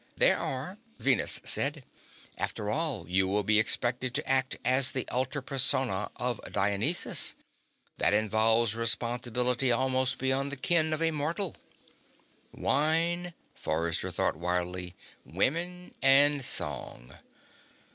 "There are," Venus said. "After all, you will be expected to act as the alter persona of Dionysus. That involves responsibilities almost beyond the ken of a mortal." Wine, Forrester thought wildly, women and song.